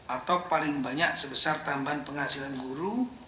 atau paling banyak sebesar tambahan penghasilan guru